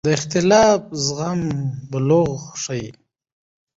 د اختلاف زغم بلوغ ښيي